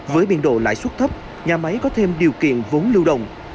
với biên độ lãi suất thấp nhà máy có thêm điều kiện vốn lưu động